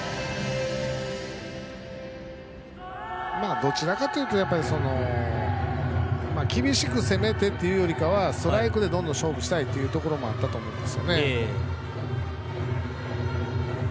どちらかというと厳しく攻めてというよりはストライクでどんどん勝負したいというところもあったと思うんですよね。